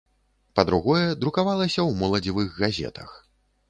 Па-другое, друкавалася ў моладзевых газетах.